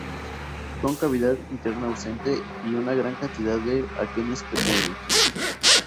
Con cavidad interna ausente y una gran cantidad de aquenios pequeños.